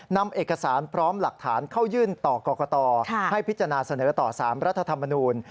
นำเอกสารพร้อมหลักฐานเข้ายื่นต่อกรกตให้พิจารณาเสนอต่อ๓รัฐธรรมนูล